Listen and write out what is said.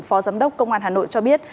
phó giám đốc công an hà nội cho biết